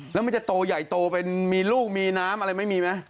แล้วมันจะโตใหญ่โตเป็นมีลูกมีน้ำอะไรไม่มีไหม